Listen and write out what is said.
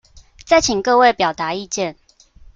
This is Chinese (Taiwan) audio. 再請各位表達意見